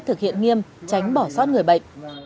thực hiện nghiêm tránh bỏ sót người bệnh